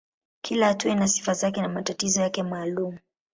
Kila hatua ina sifa zake na matatizo yake maalumu.